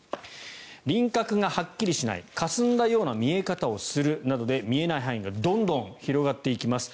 輪郭がはっきりしないかすんだような見え方をするなどで見えない範囲がどんどん広がっていきます。